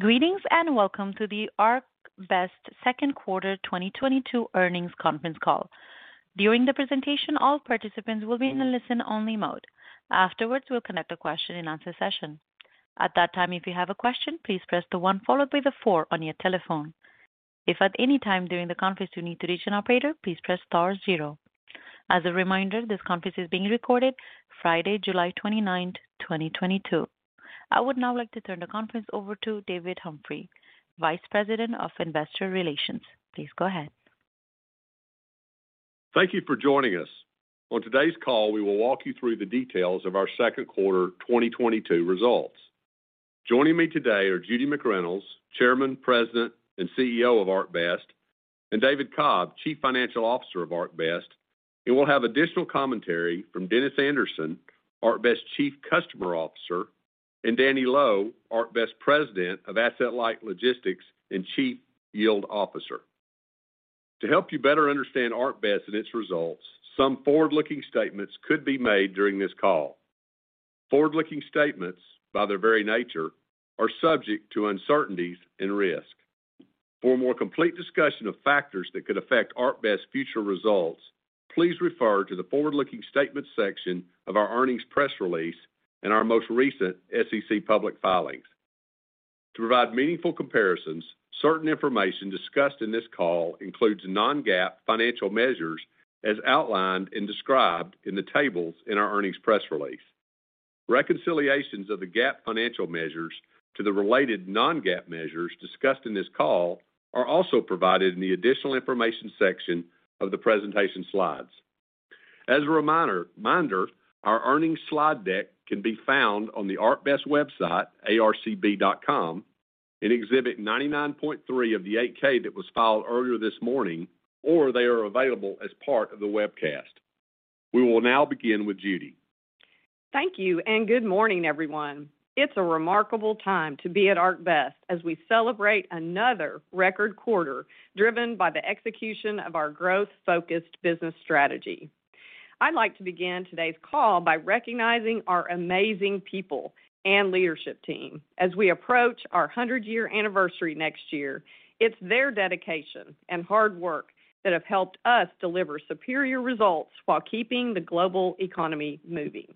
Greetings and welcome to the ArcBest Second Quarter 2022 Earnings Conference Call. During the presentation, all participants will be in a listen-only mode. Afterwards, we'll conduct a question-and-answer session. At that time, if you have a question, please press the one followed by the four on your telephone. If at any time during the conference you need to reach an operator, please press star zero. As a reminder, this conference is being recorded Friday, July 29th, 2022. I would now like to turn the conference over to David Humphrey, Vice President of Investor Relations. Please go ahead. Thank you for joining us. On today's call, we will walk you through the details of our second quarter 2022 results. Joining me today are Judy McReynolds, Chairman, President, and CEO of ArcBest, and David Cobb, Chief Financial Officer of ArcBest. We'll have additional commentary from Dennis Anderson, ArcBest Chief Customer Officer, and Danny Loe, ArcBest President Asset-Light logistics and Chief Yield Officer. To help you better understand ArcBest and its results, some forward-looking statements could be made during this call. Forward-looking statements, by their very nature, are subject to uncertainties and risk. For a more complete discussion of factors that could affect ArcBest future results, please refer to the forward-looking statement section of our earnings press release and our most recent SEC public filings. To provide meaningful comparisons, certain information discussed in this call includes non-GAAP financial measures as outlined and described in the tables in our earnings press release. Reconciliations of the GAAP financial measures to the related non-GAAP measures discussed in this call are also provided in the additional information section of the presentation slides. As a reminder, our earnings slide deck can be found on the ArcBest website, arcb.com, in Exhibit 99.3 of the 8-K that was filed earlier this morning, or they are available as part of the webcast. We will now begin with Judy. Thank you, and good morning, everyone. It's a remarkable time to be at ArcBest as we celebrate another record quarter driven by the execution of our growth-focused business strategy. I'd like to begin today's call by recognizing our amazing people and leadership team. As we approach our 100-year anniversary next year, it's their dedication and hard work that have helped us deliver superior results while keeping the global economy moving.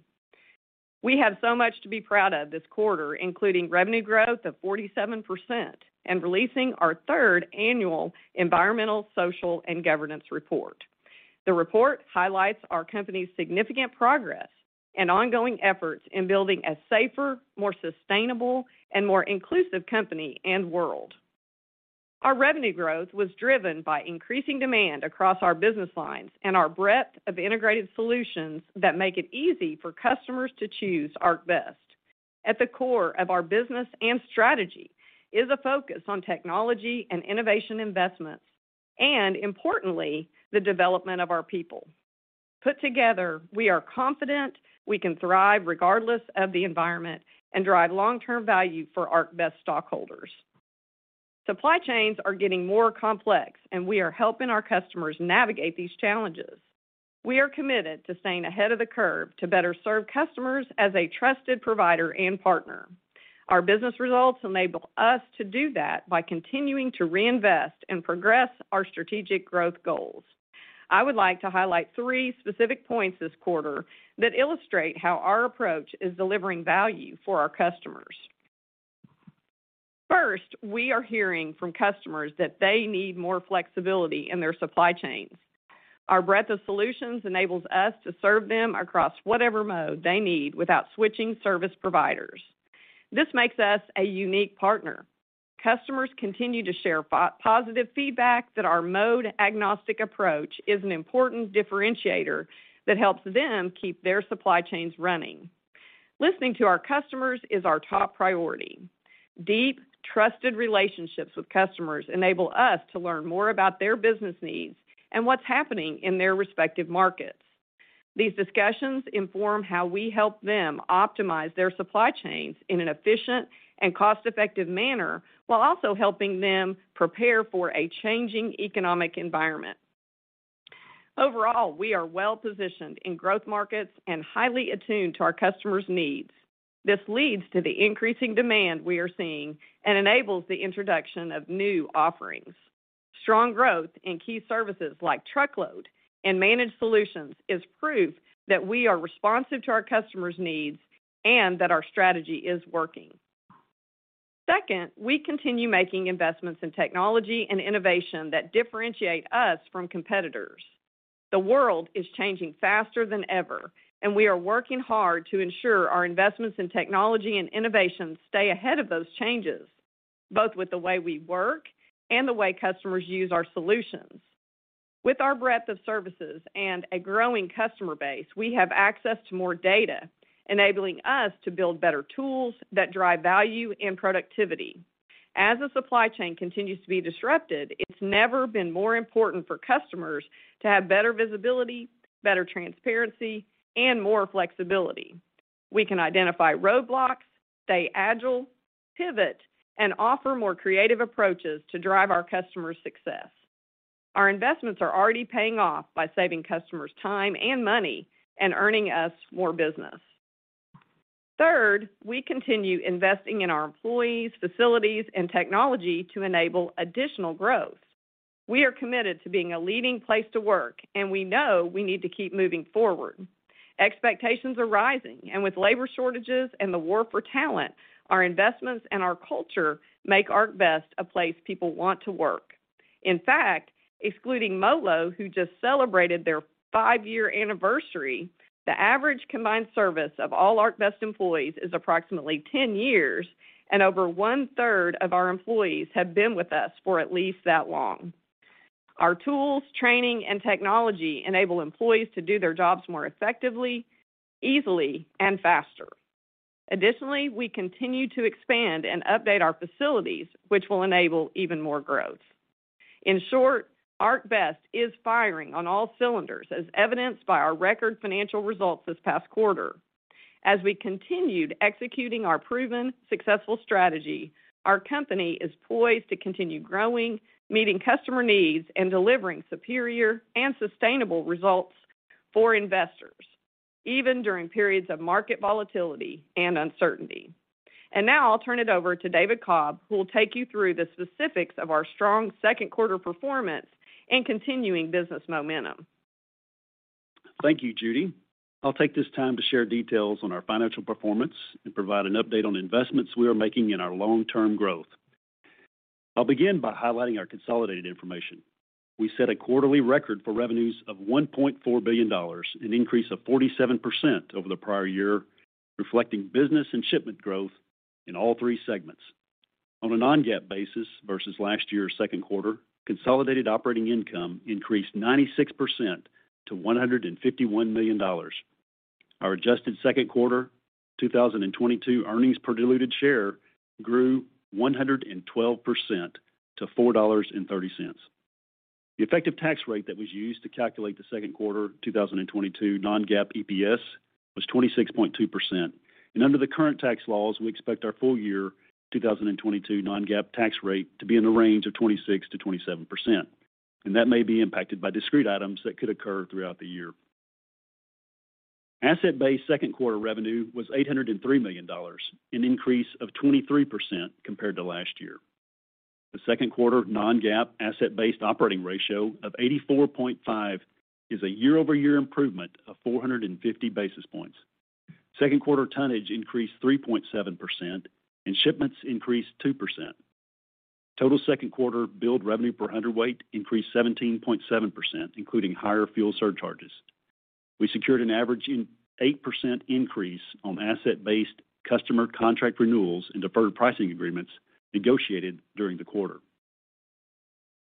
We have so much to be proud of this quarter, including revenue growth of 47% and releasing our third annual Environmental, Social, and Governance report. The report highlights our company's significant progress and ongoing efforts in building a safer, more sustainable, and more inclusive company and world. Our revenue growth was driven by increasing demand across our business lines and our breadth of integrated solutions that make it easy for customers to choose ArcBest. At the core of our business and strategy is a focus on technology and innovation investments, and importantly, the development of our people. Put together, we are confident we can thrive regardless of the environment and drive long-term value for ArcBest stockholders. Supply chains are getting more complex, and we are helping our customers navigate these challenges. We are committed to staying ahead of the curve to better serve customers as a trusted provider and partner. Our business results enable us to do that by continuing to reinvest and progress our strategic growth goals. I would like to highlight three specific points this quarter that illustrate how our approach is delivering value for our customers. First, we are hearing from customers that they need more flexibility in their supply chains. Our breadth of solutions enables us to serve them across whatever mode they need without switching service providers. This makes us a unique partner. Customers continue to share positive feedback that our mode-agnostic approach is an important differentiator that helps them keep their supply chains running. Listening to our customers is our top priority. Deep, trusted relationships with customers enable us to learn more about their business needs and what's happening in their respective markets. These discussions inform how we help them optimize their supply chains in an efficient and cost-effective manner while also helping them prepare for a changing economic environment. Overall, we are well-positioned in growth markets and highly attuned to our customers' needs. This leads to the increasing demand we are seeing and enables the introduction of new offerings. Strong growth in key services like truckload and Managed Solutions is proof that we are responsive to our customers' needs and that our strategy is working. Second, we continue making investments in technology and innovation that differentiate us from competitors. The world is changing faster than ever, and we are working hard to ensure our investments in technology and innovation stay ahead of those changes, both with the way we work and the way customers use our solutions. With our breadth of services and a growing customer base, we have access to more data, enabling us to build better tools that drive value and productivity. As the supply chain continues to be disrupted, it's never been more important for customers to have better visibility, better transparency, and more flexibility. We can identify roadblocks, stay agile, pivot, and offer more creative approaches to drive our customers' success. Our investments are already paying off by saving customers time and money and earning us more business. Third, we continue investing in our employees, facilities, and technology to enable additional growth. We are committed to being a leading place to work, and we know we need to keep moving forward. Expectations are rising, and with labor shortages and the war for talent, our investments and our culture make ArcBest a place people want to work. In fact, excluding MoLo, who just celebrated their five-year anniversary, the average combined service of all ArcBest employees is approximately ten years, and over one-third of our employees have been with us for at least that long. Our tools, training, and technology enable employees to do their jobs more effectively, easily, and faster. Additionally, we continue to expand and update our facilities, which will enable even more growth. In short, ArcBest is firing on all cylinders, as evidenced by our record financial results this past quarter. As we continued executing our proven successful strategy, our company is poised to continue growing, meeting customer needs, and delivering superior and sustainable results for investors, even during periods of market volatility and uncertainty. Now I'll turn it over to David Cobb, who will take you through the specifics of our strong second quarter performance and continuing business momentum. Thank you, Judy. I'll take this time to share details on our financial performance and provide an update on investments we are making in our long-term growth. I'll begin by highlighting our consolidated information. We set a quarterly record for revenues of $1.4 billion, an increase of 47% over the prior year, reflecting business and shipment growth in all three segments. On a non-GAAP basis versus last year's second quarter, consolidated operating income increased 96% to $151 million. Our adjusted second quarter 2022 earnings per diluted share grew 112% to $4.30. The effective tax rate that was used to calculate the second quarter 2022 non-GAAP EPS was 26.2%. Under the current tax laws, we expect our full year 2022 non-GAAP tax rate to be in the range of 26%-27%, and that may be impacted by discrete items that could occur throughout the year. Asset-based second quarter revenue was $803 million, an increase of 23% compared to last year. The second quarter non-GAAP asset-based operating ratio of 84.5 is a year-over-year improvement of 450 basis points. Second quarter tonnage increased 3.7%, and shipments increased 2%. Total second quarter billed revenue per hundredweight increased 17.7%, including higher fuel surcharges. We secured an average 8% increase on asset-based customer contract renewals and deferred pricing agreements negotiated during the quarter.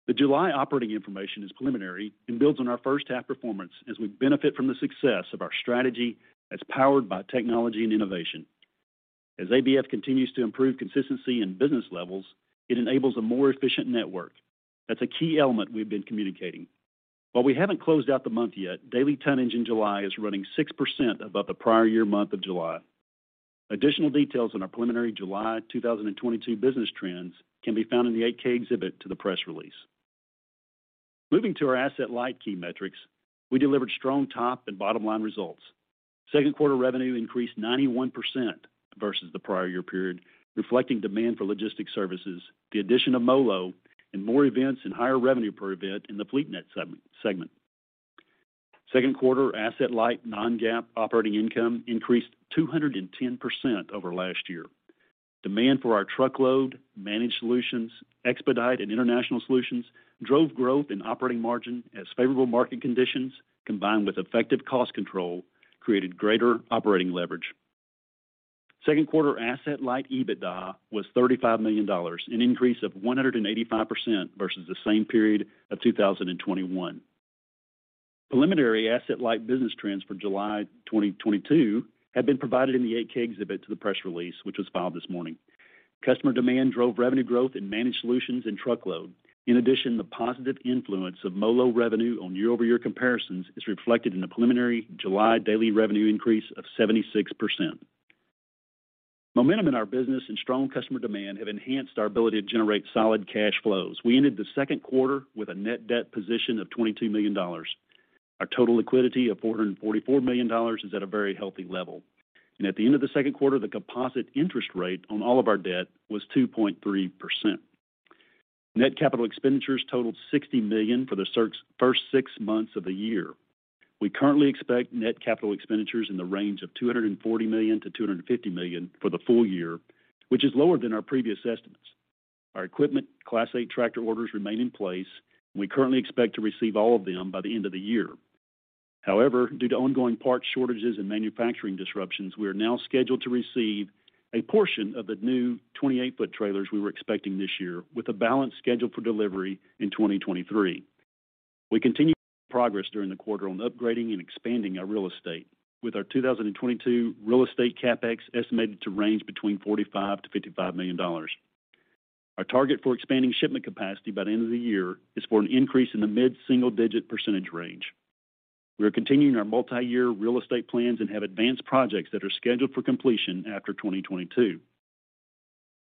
The July operating information is preliminary and builds on our first half performance as we benefit from the success of our strategy that's powered by technology and innovation. As ABF continues to improve consistency in business levels, it enables a more efficient network. That's a key element we've been communicating. While we haven't closed out the month yet, daily tonnage in July is running 6% above the prior year month of July. Additional details on our preliminary July 2022 business trends can be found in the 8-K exhibit to the press release. Moving to our Asset-Light key metrics, we delivered strong top and bottom line results. Second quarter revenue increased 91% versus the prior year period, reflecting demand for logistics services, the addition of MoLo, and more events and higher revenue per event in the FleetNet segment. Second quarter Asset-Light non-GAAP operating income increased 210% over last year. Demand for our Truckload, Managed Solutions, expedite and international solutions drove growth in operating margin as favorable market conditions combined with effective cost control created greater operating leverage. Second quarter Asset-Light EBITDA was $35 million, an increase of 185% versus the same period of 2021. Preliminary Asset-Light business trends for July 2022 have been provided in the 8-K exhibit to the press release, which was filed this morning. Customer demand drove revenue growth in Managed Solutions and Truckload. In addition, the positive influence of MoLo revenue on year-over-year comparisons is reflected in the preliminary July daily revenue increase of 76%. Momentum in our business and strong customer demand have enhanced our ability to generate solid cash flows. We ended the second quarter with a net debt position of $22 million. Our total liquidity of $444 million is at a very healthy level. At the end of the second quarter, the composite interest rate on all of our debt was 2.3%. Net capital expenditures totaled $60 million for the first six months of the year. We currently expect net capital expenditures in the range of $240 million-$250 million for the full year, which is lower than our previous estimates. Our equipment Class 8 tractor orders remain in place. We currently expect to receive all of them by the end of the year. However, due to ongoing parts shortages and manufacturing disruptions, we are now scheduled to receive a portion of the new 28-foot trailers we were expecting this year with a balance scheduled for delivery in 2023. We continued to make progress during the quarter on upgrading and expanding our real estate with our 2022 real estate CapEx estimated to range between $45 million-$55 million. Our target for expanding shipment capacity by the end of the year is for an increase in the mid-single-digit percentage range. We are continuing our multi-year real estate plans and have advanced projects that are scheduled for completion after 2022.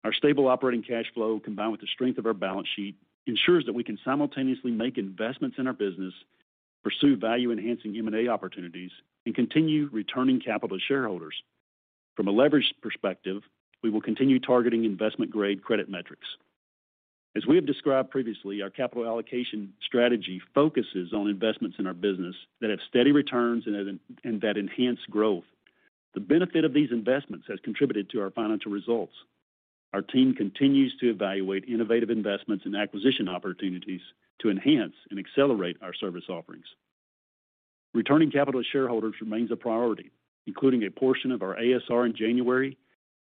Our stable operating cash flow, combined with the strength of our balance sheet, ensures that we can simultaneously make investments in our business, pursue value-enhancing M&A opportunities, and continue returning capital to shareholders. From a leverage perspective, we will continue targeting investment-grade credit metrics. As we have described previously, our capital allocation strategy focuses on investments in our business that have steady returns and that enhance growth. The benefit of these investments has contributed to our financial results. Our team continues to evaluate innovative investments and acquisition opportunities to enhance and accelerate our service offerings. Returning capital to shareholders remains a priority, including a portion of our ASR in January.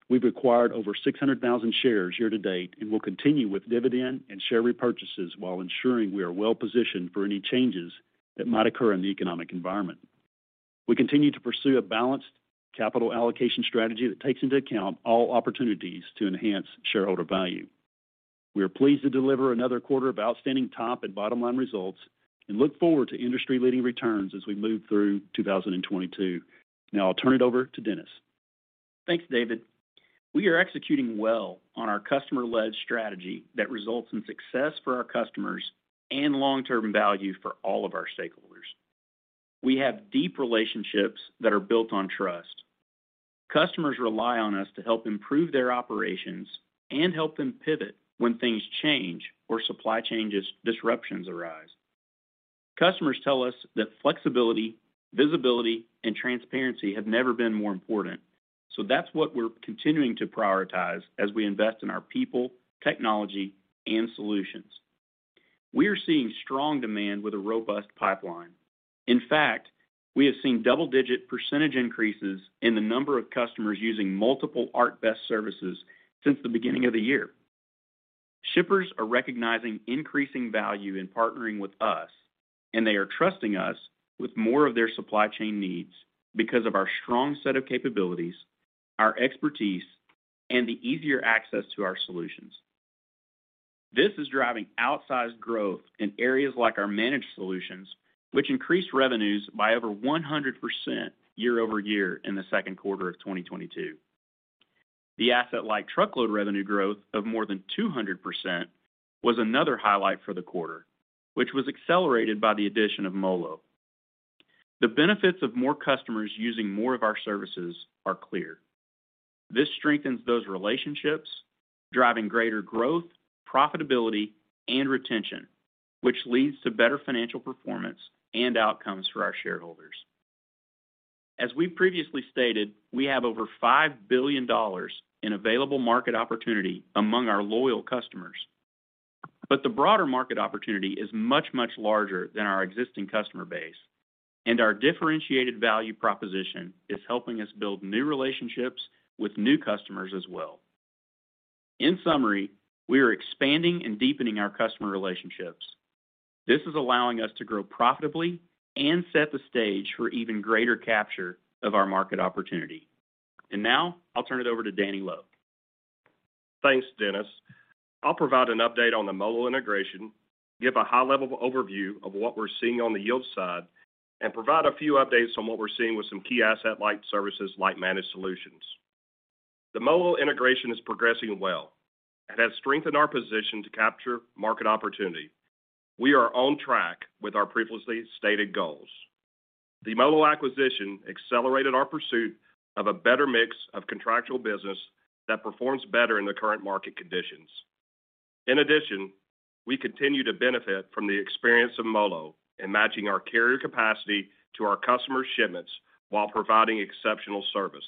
We've acquired over 600,000 shares year to date and will continue with dividend and share repurchases while ensuring we are well-positioned for any changes that might occur in the economic environment. We continue to pursue a balanced capital allocation strategy that takes into account all opportunities to enhance shareholder value. We are pleased to deliver another quarter of outstanding top and bottom-line results and look forward to industry-leading returns as we move through 2022. Now I'll turn it over to Dennis. Thanks, David. We are executing well on our customer-led strategy that results in success for our customers and long-term value for all of our stakeholders. We have deep relationships that are built on trust. Customers rely on us to help improve their operations and help them pivot when things change or supply changes, disruptions arise. Customers tell us that flexibility, visibility, and transparency have never been more important. That's what we're continuing to prioritize as we invest in our people, technology, and solutions. We are seeing strong demand with a robust pipeline. In fact, we have seen double-digit percentage increases in the number of customers using multiple ArcBest services since the beginning of the year. Shippers are recognizing increasing value in partnering with us, and they are trusting us with more of their supply chain needs because of our strong set of capabilities, our expertise, and the easier access to our solutions. This is driving outsized growth in areas like our Managed Solutions, which increased revenues by over 100% year-over-year in the second quarter of 2022. The Asset-Light Truckload revenue growth of more than 200% was another highlight for the quarter, which was accelerated by the addition of MoLo. The benefits of more customers using more of our services are clear. This strengthens those relationships, driving greater growth, profitability, and retention, which leads to better financial performance and outcomes for our shareholders. As we previously stated, we have over $5 billion in available market opportunity among our loyal customers. The broader market opportunity is much, much larger than our existing customer base, and our differentiated value proposition is helping us build new relationships with new customers as well. In summary, we are expanding and deepening our customer relationships. This is allowing us to grow profitably and set the stage for even greater capture of our market opportunity. Now I'll turn it over to Danny Loe. Thanks, Dennis. I'll provide an update on the MoLo integration, give a high-level overview of what we're seeing on the yield side, and provide a few updates on what we're seeing with some key Asset-Light services like Managed Solutions. The MoLo integration is progressing well. It has strengthened our position to capture market opportunity. We are on track with our previously stated goals. The MoLo acquisition accelerated our pursuit of a better mix of contractual business that performs better in the current market conditions. In addition, we continue to benefit from the experience of MoLo in matching our carrier capacity to our customers' shipments while providing exceptional service.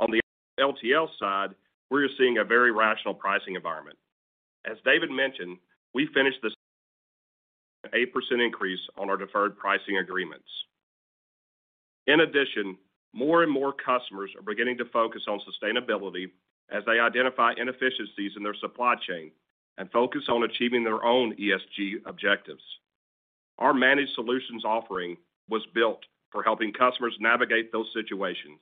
On the LTL side, we are seeing a very rational pricing environment. As David mentioned, we finished this 8% increase on our deferred pricing agreements. In addition, more and more customers are beginning to focus on sustainability as they identify inefficiencies in their supply chain and focus on achieving their own ESG objectives. Our Managed Solutions offering was built for helping customers navigate those situations.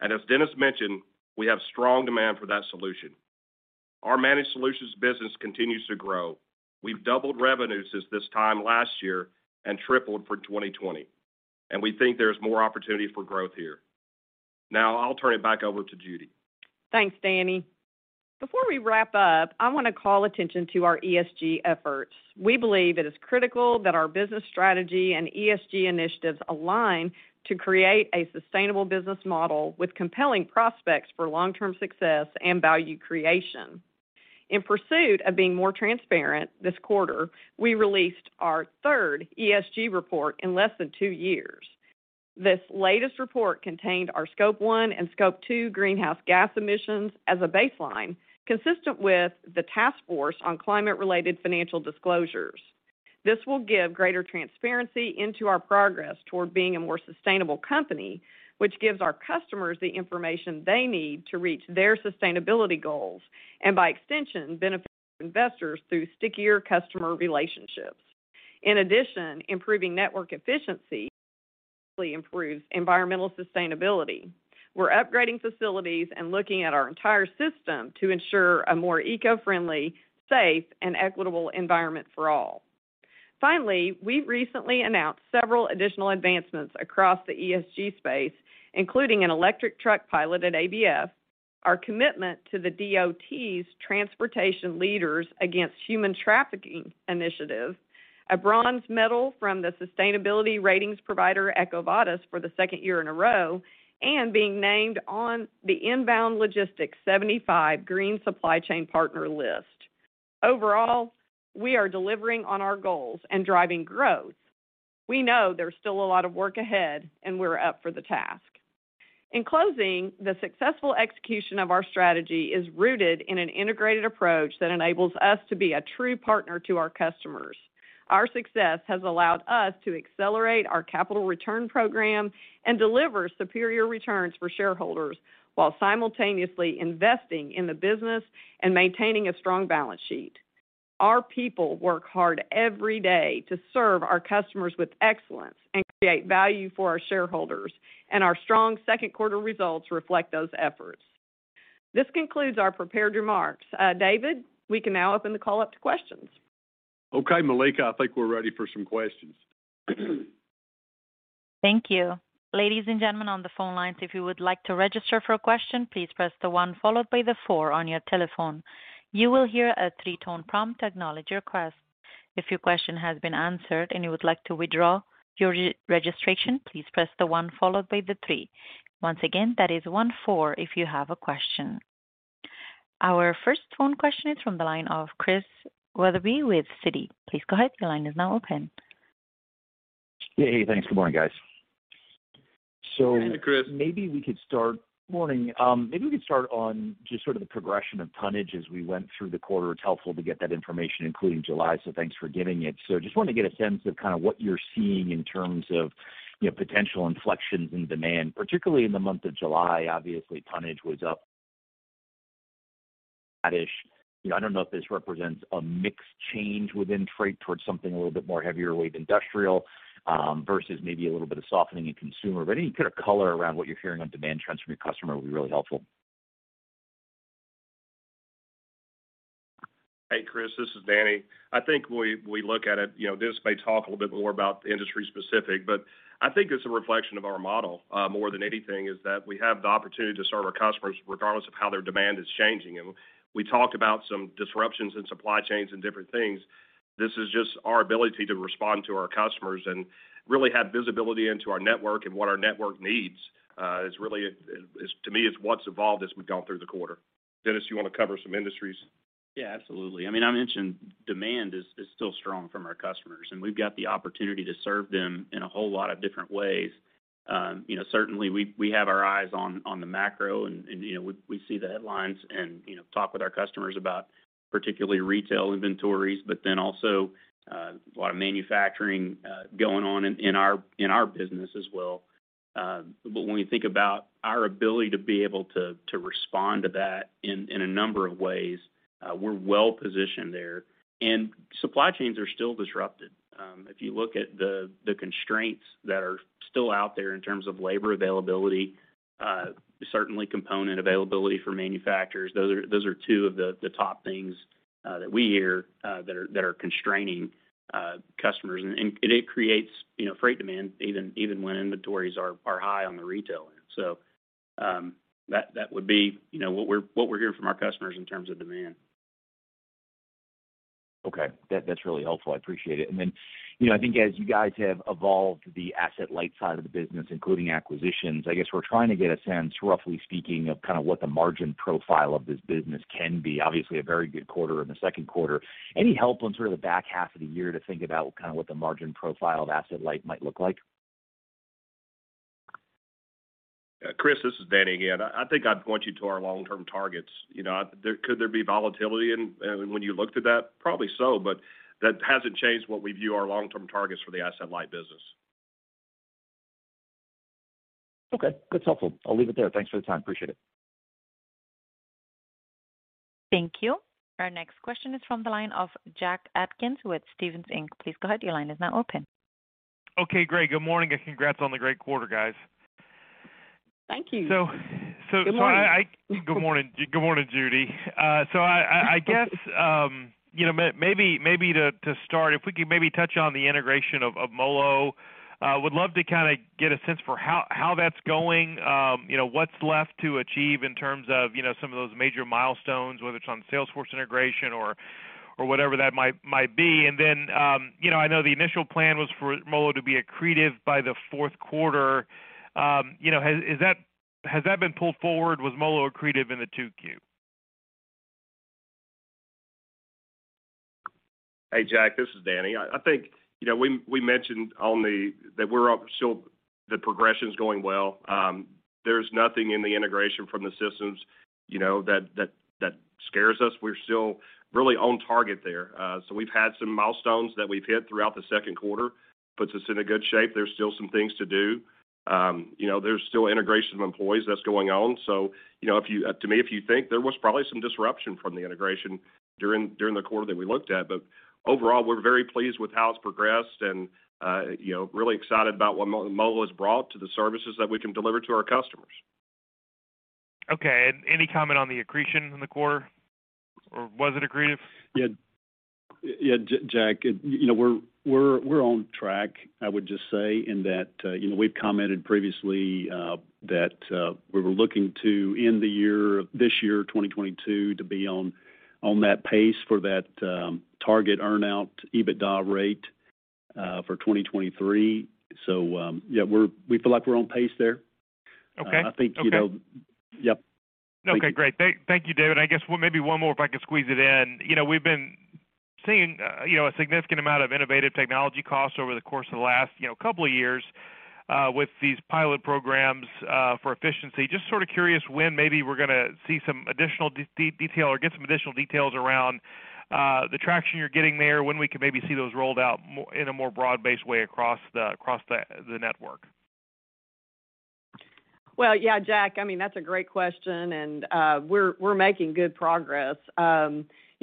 As Dennis mentioned, we have strong demand for that solution. Our Managed Solutions business continues to grow. We've doubled revenue since this time last year and tripled for 2020, and we think there's more opportunity for growth here. Now I'll turn it back over to Judy. Thanks, Danny. Before we wrap up, I want to call attention to our ESG efforts. We believe it is critical that our business strategy and ESG initiatives align to create a sustainable business model with compelling prospects for long-term success and value creation. In pursuit of being more transparent this quarter, we released our third ESG report in less than two years. This latest report contained our Scope 1 and Scope 2 greenhouse gas emissions as a baseline, consistent with the Taskforce on Climate-Related Financial Disclosures. This will give greater transparency into our progress toward being a more sustainable company, which gives our customers the information they need to reach their sustainability goals, and by extension, benefits our investors through stickier customer relationships. In addition, improving network efficiency greatly improves environmental sustainability. We're upgrading facilities and looking at our entire system to ensure a more eco-friendly, safe, and equitable environment for all. Finally, we recently announced several additional advancements across the ESG space, including an electric truck pilot at ABF, our commitment to the DOT's Transportation Leaders Against Human Trafficking Initiative, a bronze medal from the sustainability ratings provider EcoVadis for the second year in a row, and being named on the Inbound Logistics 75 Green Supply Chain Partners list. Overall, we are delivering on our goals and driving growth. We know there's still a lot of work ahead, and we're up for the task. In closing, the successful execution of our strategy is rooted in an integrated approach that enables us to be a true partner to our customers. Our success has allowed us to accelerate our capital return program and deliver superior returns for shareholders while simultaneously investing in the business and maintaining a strong balance sheet. Our people work hard every day to serve our customers with excellence and create value for our shareholders, and our strong second quarter results reflect those efforts. This concludes our prepared remarks. David, we can now open the call up to questions. Okay, Malika, I think we're ready for some questions. Thank you. Ladies and gentlemen on the phone lines, if you would like to register for a question, please press the one followed by the four on your telephone. You will hear a three-tone prompt to acknowledge your request. If your question has been answered and you would like to withdraw your re-registration, please press the one followed by the three. Once again, that is one-four if you have a question. Our first phone question is from the line of Chris Wetherbee with Citi. Please go ahead. Your line is now open. Hey, thanks. Good morning, guys. Good morning, Chris. Good morning. Maybe we could start on just sort of the progression of tonnage as we went through the quarter. It's helpful to get that information, including July, so thanks for giving it. Just wanted to get a sense of kind of what you're seeing in terms of, you know, potential inflections in demand, particularly in the month of July. Obviously, tonnage was up. I don't know if this represents a mixed change within freight towards something a little bit more heavier with industrial, versus maybe a little bit of softening in consumer. But any kind of color around what you're hearing on demand transfer from your customer would be really helpful. Hey, Chris, this is Danny. I think we look at it, you know, this may talk a little bit more about industry-specific, but I think it's a reflection of our model more than anything, is that we have the opportunity to serve our customers regardless of how their demand is changing. We talked about some disruptions in supply chains and different things. This is just our ability to respond to our customers and really have visibility into our network and what our network needs is really to me what's evolved as we've gone through the quarter. Dennis, you want to cover some industries? Yeah, absolutely. I mean, I mentioned demand is still strong from our customers, and we've got the opportunity to serve them in a whole lot of different ways. You know, certainly we have our eyes on the macro and, you know, we see the headlines and, you know, talk with our customers about particularly retail inventories, but then also a lot of manufacturing going on in our business as well. When you think about our ability to be able to respond to that in a number of ways, we're well positioned there. Supply chains are still disrupted. If you look at the constraints that are still out there in terms of labor availability, certainly component availability for manufacturers, those are two of the top things that we hear that are constraining customers. It creates, you know, freight demand even when inventories are high on the retail end. That would be, you know, what we're hearing from our customers in terms of demand. Okay. That's really helpful. I appreciate it. You know, I think as you guys have evolved the Asset-Light side of the business, including acquisitions, I guess we're trying to get a sense, roughly speaking, of kind of what the margin profile of this business can be. Obviously, a very good quarter in the second quarter. Any help on sort of the back half of the year to think about kind of what the margin profile of Asset-Light might look like? Chris, this is Danny again. I think I'd point you to our long-term targets. You know, there could be volatility and when you look to that? Probably so, but that hasn't changed what we view our long-term targets for Asset-Light business. Okay. That's helpful. I'll leave it there. Thanks for the time. Appreciate it. Thank you. Our next question is from the line of Jack Atkins with Stephens Inc. Please go ahead. Your line is now open. Okay, great. Good morning, and congrats on the great quarter, guys. Thank you. So, so I. Good morning. Good morning. Good morning, Judy. So I guess, you know, maybe to start, if we could maybe touch on the integration of MoLo. Would love to kinda get a sense for how that's going. You know, what's left to achieve in terms of, you know, some of those major milestones, whether it's on Salesforce integration or whatever that might be. Then, you know, I know the initial plan was for MoLo to be accretive by the fourth quarter. You know, has that been pulled forward? Was MoLo accretive in 2Q? Hey, Jack, this is Danny. I think, you know, we mentioned that we're up. The progression is going well. There's nothing in the integration from the systems, you know, that scares us. We're still really on target there. We've had some milestones that we've hit throughout the second quarter, puts us in a good shape. There's still some things to do. You know, there's still integration of employees that's going on. You know, to me, if you think there was probably some disruption from the integration during the quarter that we looked at. Overall, we're very pleased with how it's progressed and, you know, really excited about what MoLo has brought to the services that we can deliver to our customers. Okay. Any comment on the accretion in the core, or was it accretive? Yeah. Yeah, Jack, you know, we're on track, I would just say in that, you know, we've commented previously that we were looking to end the year, this year, 2022, to be on that pace for that target earn-out EBITDA rate for 2023. Yeah, we feel like we're on pace there. Okay. I think, you know. Yep. Thank you. Okay, great. Thank you, David. I guess one maybe one more, if I can squeeze it in. You know, we've been seeing, you know, a significant amount of innovative technology costs over the course of the last, you know, couple of years, with these pilot programs, for efficiency. Just sort of curious when maybe we're gonna see some additional detail or get some additional details around, the traction you're getting there, when we can maybe see those rolled out in a more broad-based way across the network. Well, yeah, Jack, I mean, that's a great question, and we're making good progress.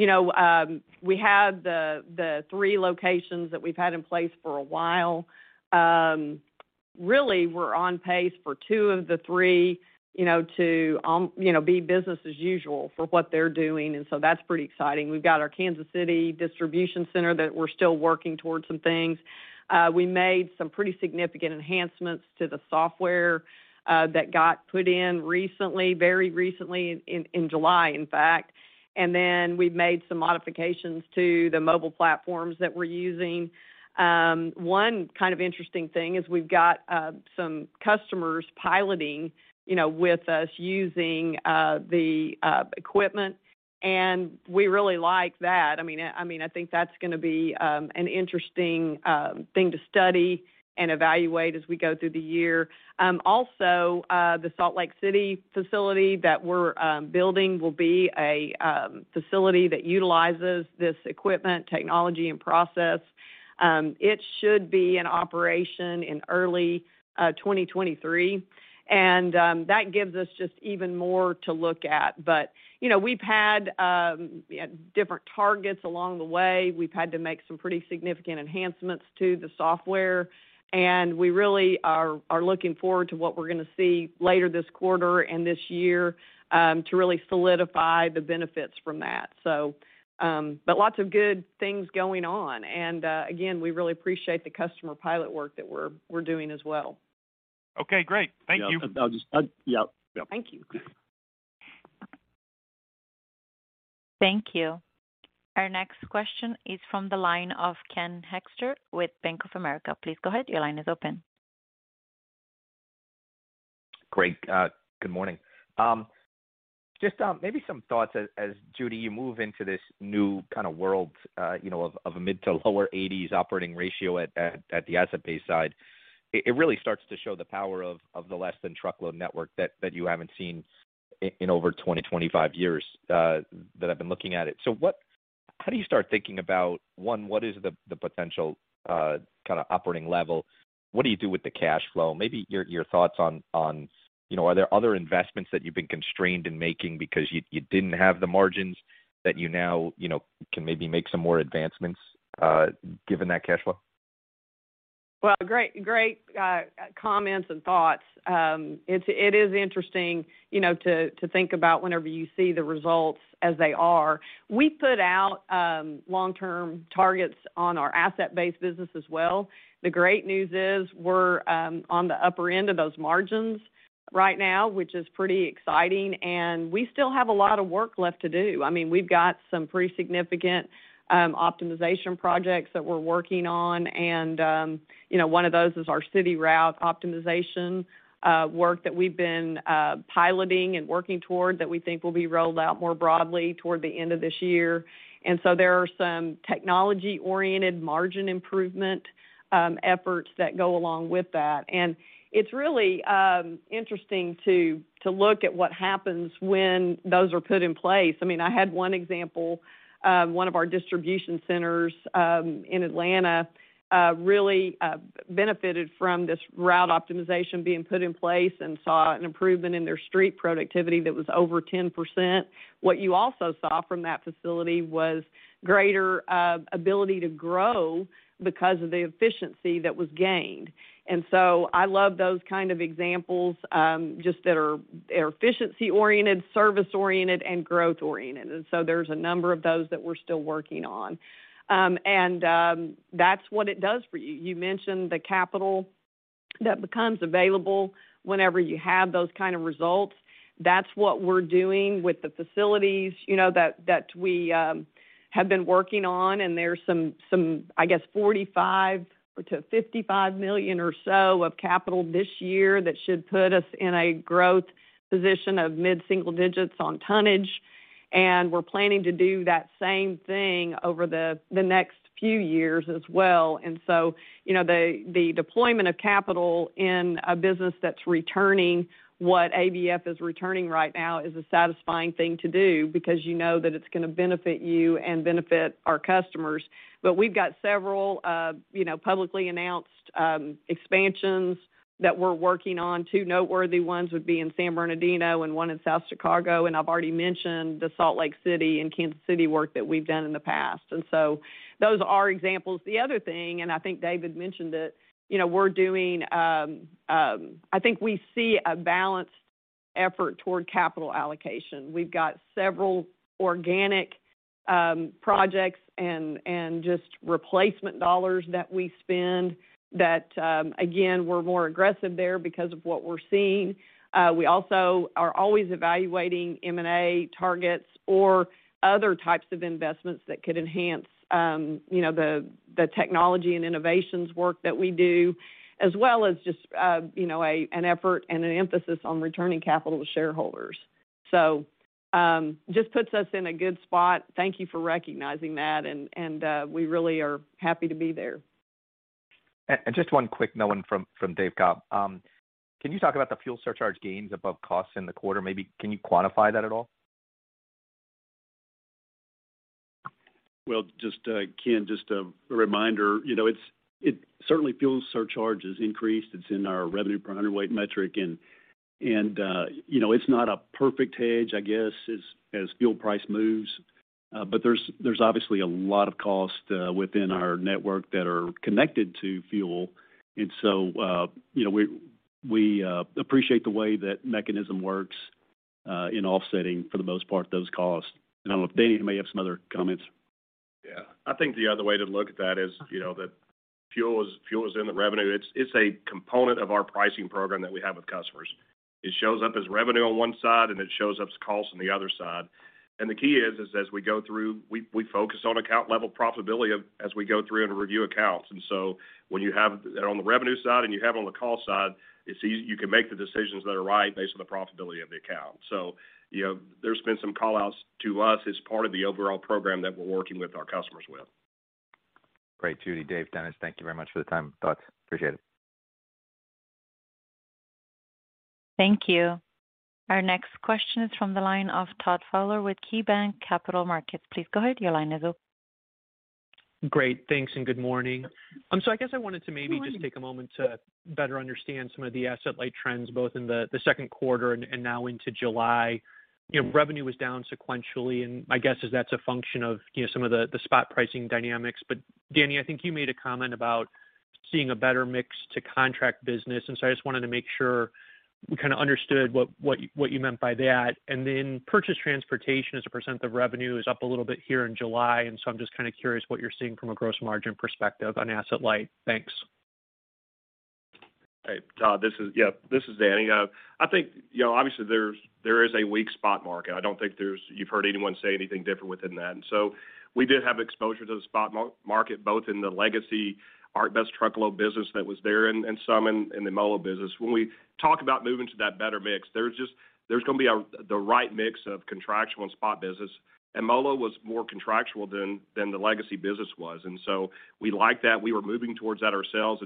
You know, we had the three locations that we've had in place for a while. Really, we're on pace for two of the three, you know, to be business as usual for what they're doing. That's pretty exciting. We've got our Kansas City Distribution Center that we're still working towards some things. We made some pretty significant enhancements to the software that got put in recently, very recently in July, in fact. We've made some modifications to the mobile platforms that we're using. One kind of interesting thing is we've got some customers piloting you know with us using the equipment, and we really like that. I mean, I think that's gonna be an interesting thing to study and evaluate as we go through the year. Also, the Salt Lake City facility that we're building will be a facility that utilizes this equipment, technology and process. It should be in operation in early 2023, and that gives us just even more to look at. You know, we've had different targets along the way. We've had to make some pretty significant enhancements to the software, and we really are looking forward to what we're gonna see later this quarter and this year to really solidify the benefits from that. Lots of good things going on. Again, we really appreciate the customer pilot work that we're doing as well. Okay, great. Thank you. Yeah. Thank you. Thank you. Our next question is from the line of Ken Hoexter with Bank of America. Please go ahead. Your line is open. Great. Good morning. Just maybe some thoughts as Judy, you move into this new kind of world, you know, of a mid- to lower-80s operating ratio at the asset-based side. It really starts to show the power of the Less-Than-Truckload network that you haven't seen in over 20 years, 25 years that I've been looking at it. How do you start thinking about, one, what is the potential kinda operating level? What do you do with the cash flow? Maybe your thoughts on, you know, are there other investments that you've been constrained in making because you didn't have the margins that you now, you know, can maybe make some more advancements given that cash flow? Well, great comments and thoughts. It is interesting, you know, to think about whenever you see the results as they are. We put out long-term targets on our asset-based business as well. The great news is we're on the upper end of those margins right now, which is pretty exciting, and we still have a lot of work left to do. I mean, we've got some pretty significant optimization projects that we're working on. You know, one of those is our city route optimization work that we've been piloting and working toward that we think will be rolled out more broadly toward the end of this year. There are some technology-oriented margin improvement efforts that go along with that. It's really interesting to look at what happens when those are put in place. I mean, I had one example of one of our distribution centers in Atlanta really benefited from this route optimization being put in place and saw an improvement in their street productivity that was over 10%. What you also saw from that facility was greater ability to grow because of the efficiency that was gained. I love those kind of examples just that are efficiency-oriented, service-oriented, and growth-oriented. There's a number of those that we're still working on. That's what it does for you. You mentioned the capital that becomes available whenever you have those kind of results. That's what we're doing with the facilities, you know, that we have been working on, and there's some I guess $45 milion-$55 million or so of capital this year that should put us in a growth position of mid-single digits on tonnage. We're planning to do that same thing over the next few years as well. You know, the deployment of capital in a business that's returning what ABF is returning right now is a satisfying thing to do because you know that it's gonna benefit you and benefit our customers. We've got several, you know, publicly announced expansions that we're working on. Two noteworthy ones would be in San Bernardino and one in South Chicago, and I've already mentioned the Salt Lake City and Kansas City work that we've done in the past. Those are examples. The other thing, and I think David mentioned it, you know, we're doing. I think we see a balanced effort toward capital allocation. We've got several organic projects and just replacement dollars that we spend that, again, we're more aggressive there because of what we're seeing. We also are always evaluating M&A targets or other types of investments that could enhance, you know, the technology and innovations work that we do, as well as just, you know, an effort and an emphasis on returning capital to shareholders. Just puts us in a good spot. Thank you for recognizing that. We really are happy to be there. Just one quick note from David Cobb. Can you talk about the fuel surcharge gains above costs in the quarter? Maybe can you quantify that at all? Well, just, Ken, just a reminder. You know, it's certainly fuel surcharge has increased. It's in our revenue per hundredweight metric and, you know, it's not a perfect hedge, I guess, as fuel price moves. But there's obviously a lot of costs within our network that are connected to fuel. You know, we appreciate the way that mechanism works in offsetting, for the most part, those costs. I don't know if Danny may have some other comments. Yeah. I think the other way to look at that is, you know, that fuel is in the revenue. It's a component of our pricing program that we have with customers. It shows up as revenue on one side, and it shows up as costs on the other side. The key is as we go through, we focus on account level profitability as we go through and review accounts. When you have that on the revenue side and you have it on the cost side, you can make the decisions that are right based on the profitability of the account. You know, there's been some call-outs to us as part of the overall program that we're working with our customers with. Great. Judy, Dave, Dennis, thank you very much for the time and thoughts. Appreciate it. Thank you. Our next question is from the line of Todd Fowler with KeyBanc Capital Markets. Please go ahead. Your line is open. Great. Thanks, and good morning. I guess I wanted to maybe just take a moment to better understand some of the Asset-Light trends, both in the second quarter and now into July. You know, revenue was down sequentially, and my guess is that's a function of, you know, some of the spot pricing dynamics. But Danny, I think you made a comment about seeing a better mix to contract business, and so I just wanted to make sure we kinda understood what you meant by that. Purchased transportation as a percent of revenue is up a little bit here in July, and so I'm just kinda curious what you're seeing from a gross margin perspective Asset-Light. thanks. Hey, Todd. This is, yeah, this is Danny. I think, you know, obviously, there is a weak spot market. I don't think you've heard anyone say anything different within that. We did have exposure to the spot market, both in the legacy ArcBest Truckload business that was there and some in the MoLo business. When we talk about moving to that better mix, there's gonna be the right mix of contractual and spot business. MoLo was more contractual than the legacy business was. We like that. We were moving towards that ourselves.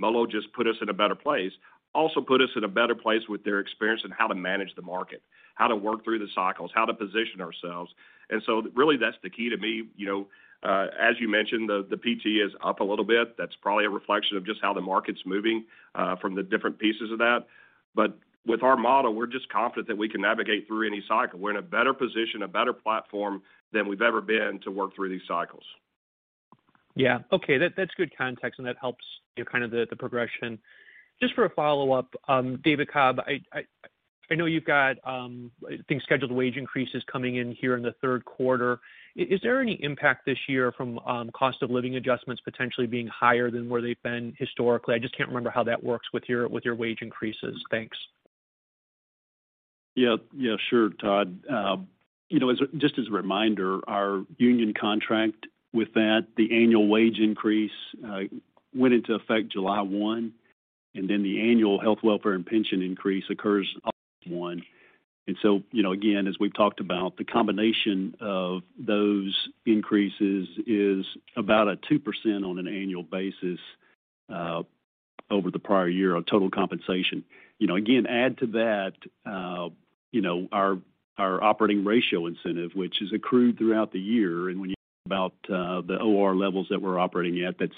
MoLo just put us in a better place. Also put us in a better place with their experience in how to manage the market, how to work through the cycles, how to position ourselves. Really that's the key to me. You know, as you mentioned, the PT is up a little bit. That's probably a reflection of just how the market's moving from the different pieces of that. With our model, we're just confident that we can navigate through any cycle. We're in a better position, a better platform than we've ever been to work through these cycles. Yeah. Okay. That's good context, and that helps you kind of the progression. Just for a follow-up, David Cobb, I know you've got I think scheduled wage increases coming in here in the third quarter. Is there any impact this year from cost of living adjustments potentially being higher than where they've been historically? I just can't remember how that works with your wage increases. Thanks. Yeah. Yeah, sure, Todd. You know, just as a reminder, our union contract with that, the annual wage increase, went into effect July 1, and then the annual health, welfare, and pension increase occurs on July 1. You know, again, as we've talked about, the combination of those increases is about a 2% on an annual basis, over the prior year on total compensation. You know, again, add to that, you know, our operating ratio incentive, which is accrued throughout the year. When you think about the OR levels that we're operating at, that's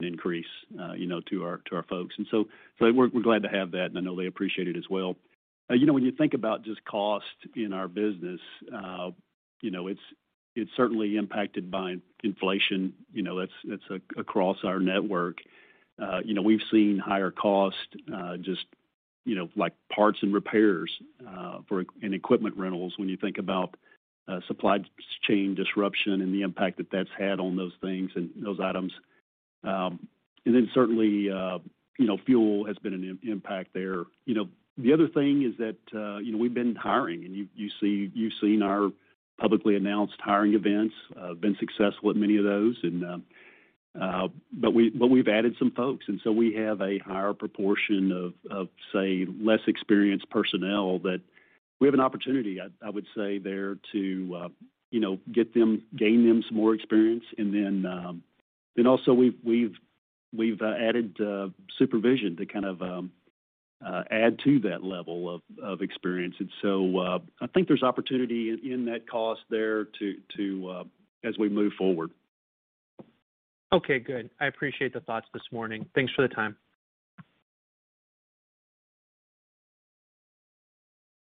an increase, you know, to our folks. So we're glad to have that, and I know they appreciate it as well. You know, when you think about just cost in our business, you know, it's certainly impacted by inflation. You know, that's across our network. You know, we've seen higher cost, just, you know, like parts and repairs and equipment rentals when you think about supply chain disruption and the impact that that's had on those things and those items. And then certainly, you know, fuel has been an impact there. You know, the other thing is that, you know, we've been hiring, and you've seen our publicly announced hiring events, been successful at many of those. We've added some folks, and so we have a higher proportion of, say, less experienced personnel that we have an opportunity. I would say there to you know gain them some more experience. Also, we've added supervision to kind of add to that level of experience. I think there's opportunity in that cost there to as we move forward. Okay, good. I appreciate the thoughts this morning. Thanks for the time.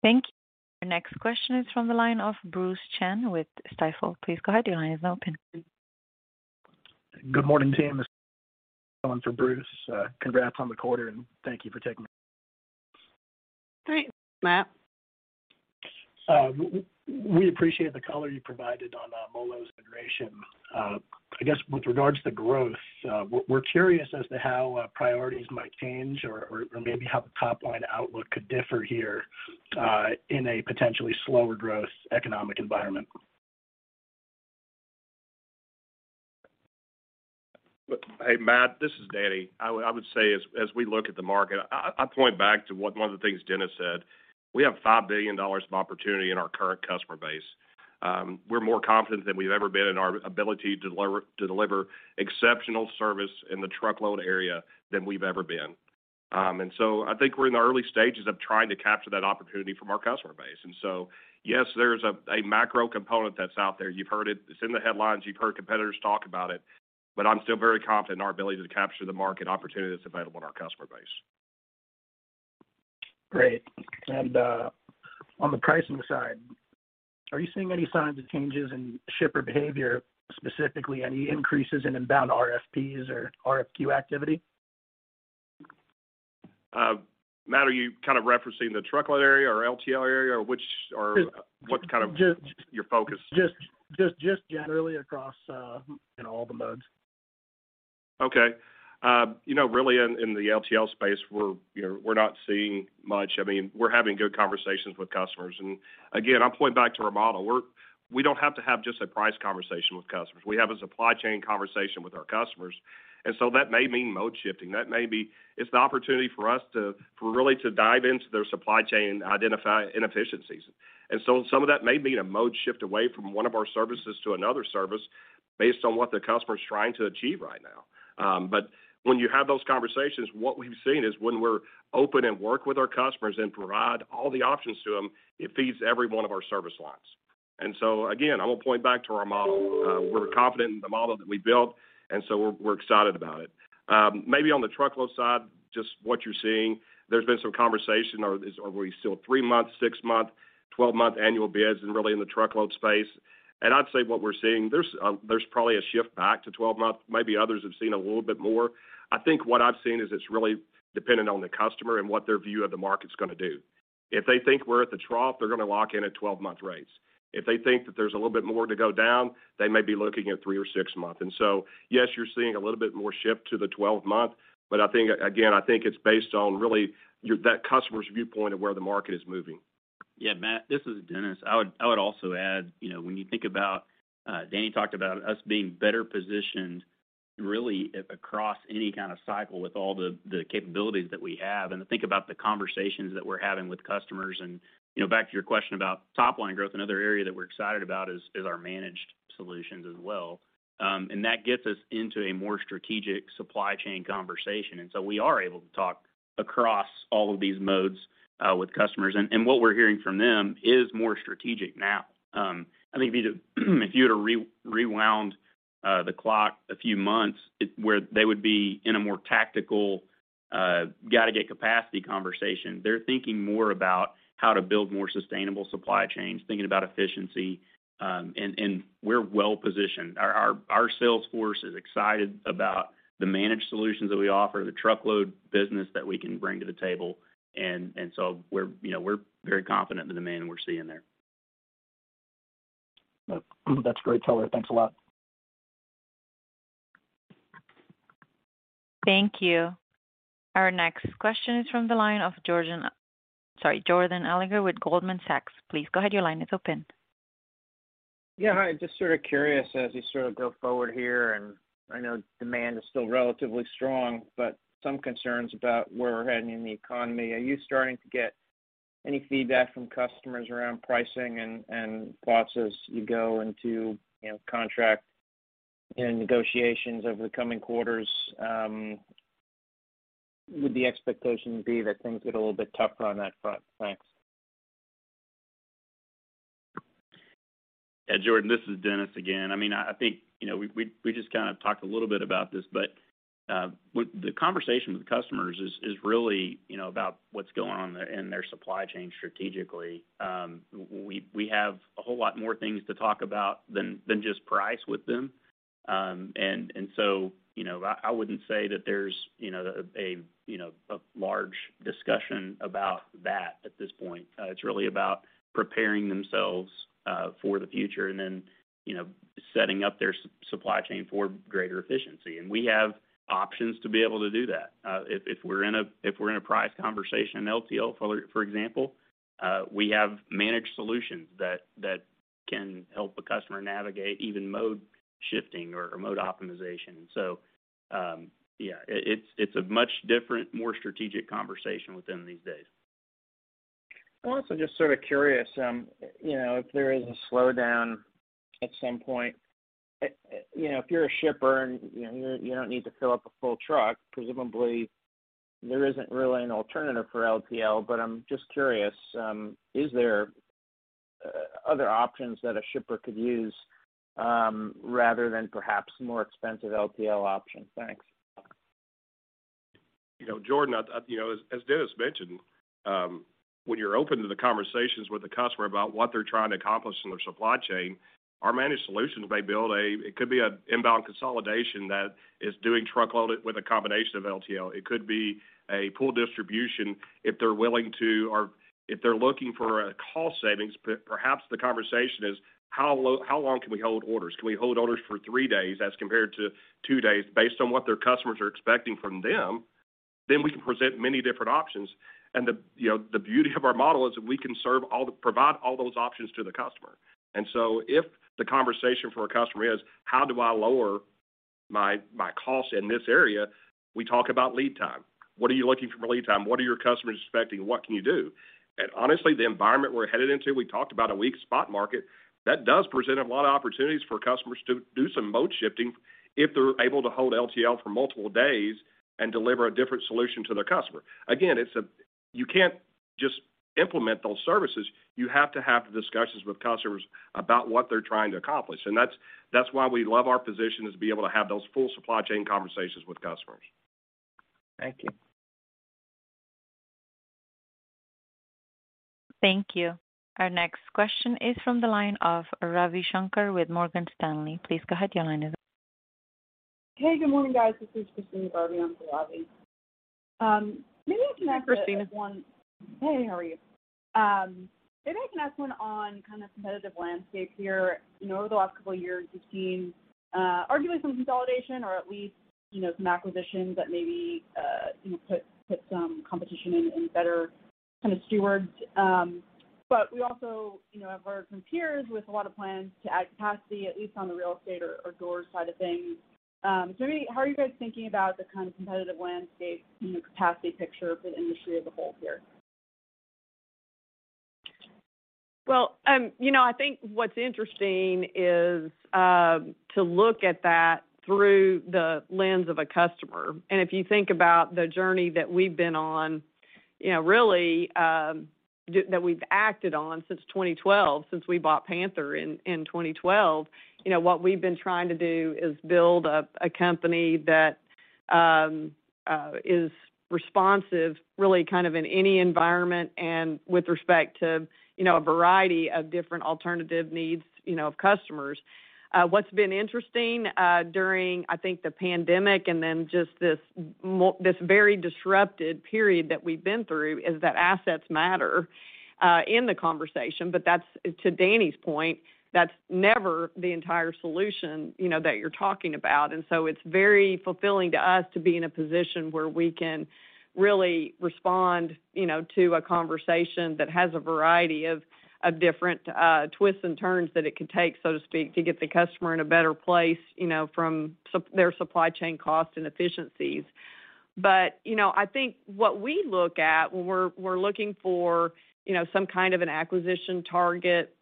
Thank you. Our next question is from the line of Bruce Chan with Stifel. Please go ahead. Your line is open. Good morning, team. This is for Bruce. Congrats on the quarter, and thank you for taking me. Great, Matt. We appreciate the color you provided on MoLo's integration. I guess with regards to growth, we're curious as to how priorities might change or maybe how the top-line outlook could differ here in a potentially slower growth economic environment. Hey, Matt, this is Danny. I would say as we look at the market, I point back to one of the things Dennis said. We have $5 billion of opportunity in our current customer base. We're more confident than we've ever been in our ability to deliver exceptional service in the Truckload area than we've ever been. I think we're in the early stages of trying to capture that opportunity from our customer base. Yes, there's a macro component that's out there. You've heard it. It's in the headlines. You've heard competitors talk about it, but I'm still very confident in our ability to capture the market opportunity that's available in our customer base. Great. On the pricing side, are you seeing any signs of changes in shipper behavior, specifically any increases in inbound RFPs or RFQ activity? Matt, are you kind of referencing the Truckload area or LTL area, or which or what's kind of your focus? Just generally across, in all the modes. Okay. You know, really in the LTL space, we're not seeing much. I mean, we're having good conversations with customers. Again, I'm pointing back to our model. We don't have to have just a price conversation with customers. We have a supply chain conversation with our customers, and so that may mean mode shifting. That may be it's the opportunity for us to really dive into their supply chain and identify inefficiencies. Some of that may mean a mode shift away from one of our services to another service based on what the customer is trying to achieve right now. When you have those conversations, what we've seen is when we're open and work with our customers and provide all the options to them, it feeds every one of our service lines. Again, I'm going to point back to our model. We're confident in the model that we built, and so we're excited about it. Maybe on the Truckload side, just what you're seeing, there's been some conversation. Are we still three-month, six-month, 12-month annual bids and really in the Truckload space? I'd say what we're seeing, there's probably a shift back to 12-month. Maybe others have seen a little bit more. I think what I've seen is it's really dependent on the customer and what their view of the market is going to do. If they think we're at the trough, they're going to lock in at 12-month rates. If they think that there's a little bit more to go down, they may be looking at three months or six months. Yes, you're seeing a little bit more shift to the 12-month, but I think, again, it's based on really that customer's viewpoint of where the market is moving. Yeah. Matt, this is Dennis. I would also add, you know, when you think about, Danny talked about us being better positioned really across any kind of cycle with all the capabilities that we have, and I think about the conversations that we're having with customers. You know, back to your question about top-line growth, another area that we're excited about is our Managed Solutions as well. That gets us into a more strategic supply chain conversation. We are able to talk across all of these modes with customers. What we're hearing from them is more strategic now. I think if you were to rewound the clock a few months, where they would be in a more tactical, gotta get capacity conversation. They're thinking more about how to build more sustainable supply chains, thinking about efficiency, and we're well positioned. Our sales force is excited about the Managed Solutions that we offer, the Truckload business that we can bring to the table. We're, you know, very confident in the demand we're seeing there. That's great color. Thanks a lot. Thank you. Our next question is from the line of Jordan Alliger with Goldman Sachs. Please go ahead. Your line is open. Yeah, hi. Just sort of curious as you sort of go forward here, and I know demand is still relatively strong, but some concerns about where we're heading in the economy. Are you starting to get any feedback from customers around pricing and thoughts as you go into, you know, contract and negotiations over the coming quarters? Would the expectation be that things get a little bit tougher on that front? Thanks. Yeah, Jordan, this is Dennis again. I mean, I think, you know, we just kinda talked a little bit about this, but what the conversation with customers is really, you know, about what's going on in their supply chain strategically. We have a whole lot more things to talk about than just price with them. And so, you know, I wouldn't say that there's a large discussion about that at this point. It's really about preparing themselves for the future and then, you know, setting up their supply chain for greater efficiency. We have options to be able to do that. If we're in a price conversation in LTL, for example, we have Managed Solutions that can help a customer navigate even mode shifting or mode optimization. It's a much different, more strategic conversation with them these days. I'm also just sort of curious, you know, if there is a slowdown at some point, you know, if you're a shipper and you know, you don't need to fill up a full truck, presumably there isn't really an alternative for LTL. I'm just curious, is there other options that a shipper could use, rather than perhaps more expensive LTL options? Thanks. You know, Jordan, you know, as Dennis mentioned, when you're open to the conversations with the customer about what they're trying to accomplish in their supply chain, our Managed Solutions may build an inbound consolidation that is doing Truckload with a combination of LTL. It could be a pool distribution if they're willing to or if they're looking for a cost savings. Perhaps the conversation is how long can we hold orders. Can we hold orders for three days as compared to two days based on what their customers are expecting from them, then we can present many different options. You know, the beauty of our model is that we can provide all those options to the customer. If the conversation for a customer is: How do I lower my costs in this area? We talk about lead time. What are you looking for lead time? What are your customers expecting? What can you do? Honestly, the environment we're headed into, we talked about a weak spot market, that does present a lot of opportunities for customers to do some mode shifting if they're able to hold LTL for multiple days and deliver a different solution to their customer. Again, it's. You can't just implement those services. You have to have the discussions with customers about what they're trying to accomplish. That's why we love our position, is to be able to have those full supply chain conversations with customers. Thank you. Thank you. Our next question is from the line of Ravi Shanker with Morgan Stanley. Please go ahead. Your line is open. Hey, good morning, guys. This is Christina [Barbi] on for Ravi. Maybe I can ask one. Hey, Christina. Hey, how are you? Maybe I can ask one on kind of competitive landscape here. You know, over the last couple of years, we've seen arguably some consolidation or at least, you know, some acquisitions that maybe you know put some competition in better kind of shape. We also you know have heard from peers with a lot of plans to add capacity, at least on the real estate or store side of things. I mean, how are you guys thinking about the kind of competitive landscape, you know, capacity picture for the industry as a whole here? Well, you know, I think what's interesting is to look at that through the lens of a customer. If you think about the journey that we've been on, you know, really, that we've acted on since 2012, since we bought Panther in 2012, you know, what we've been trying to do is build a company that is responsive really kind of in any environment and with respect to, you know, a variety of different alternative needs, you know, of customers. What's been interesting during, I think the pandemic and then just this very disrupted period that we've been through is that assets matter in the conversation. That's, to Danny's point, that's never the entire solution, you know, that you're talking about. It's very fulfilling to us to be in a position where we can really respond, you know, to a conversation that has a variety of different twists and turns that it could take, so to speak, to get the customer in a better place, you know, from their supply chain cost and efficiencies. I think what we look at when we're looking for some kind of an acquisition target,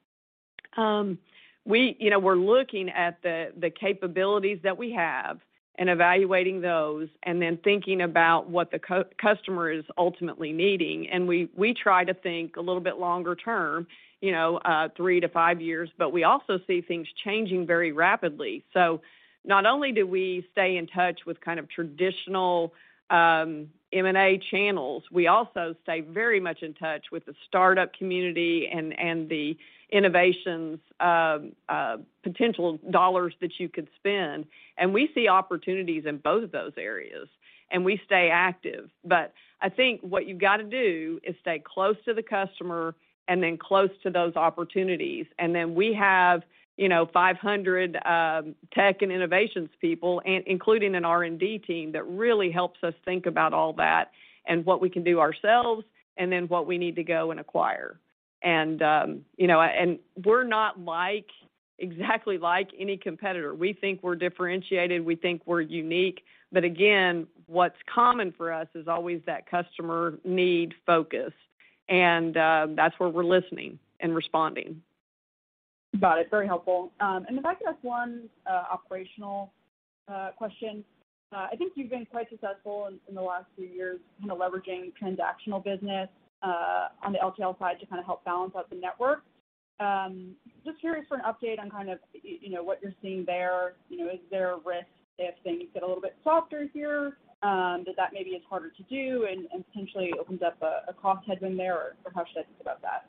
you know, we're looking at the capabilities that we have and evaluating those and then thinking about what the customer is ultimately needing. We try to think a little bit longer term, you know, three years-five years, but we also see things changing very rapidly. Not only do we stay in touch with kind of traditional M&A channels, we also stay very much in touch with the startup community and the innovations of potential dollars that you could spend. We see opportunities in both of those areas, and we stay active. I think what you've got to do is stay close to the customer and then close to those opportunities. Then we have, you know, 500 tech and innovations people, including an R&D team that really helps us think about all that and what we can do ourselves and then what we need to go and acquire. You know, and we're not like exactly like any competitor. We think we're differentiated, we think we're unique. Again, what's common for us is always that customer need focus. That's where we're listening and responding. Got it. Very helpful. If I could ask one operational question. I think you've been quite successful in the last few years, you know, leveraging transactional business on the LTL side to kinda help balance out the network. Just curious for an update on kind of, you know, what you're seeing there. You know, is there a risk if things get a little bit softer here, that maybe is harder to do and potentially opens up a cost headwind there, or how should I think about that?